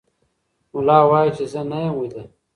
ملا وایي چې زه نه یم ویده.